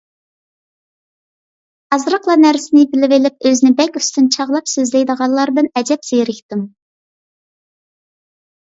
ئازراقلا نەرسىنى بىلىۋېلىپ ئۆزىنى بەك ئۈستۈن چاغلاپ سۆزلەيدىغانلاردىن ئەجەب زېرىكتىم.